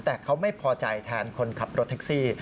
แต่เขาไม่พอใจแทนคนขับรถแท็กซี่